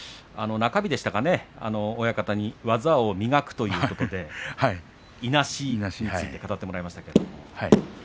中日でしたか、親方に技を磨くということでいなし、語ってもらいました。